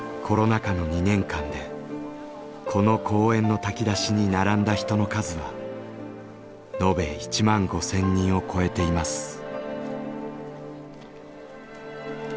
コロナ禍の２年間でこの公園の炊き出しに並んだ人の数は延べ１万５，０００人を超えています。